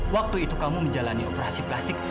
waktu itu kamu menjalani operasi plastik